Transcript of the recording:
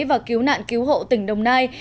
và cứu nạn cứu hộ tỉnh đồng nai